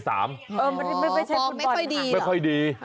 อ๋อพอไม่ค่อยดีหรอไม่ค่อยดี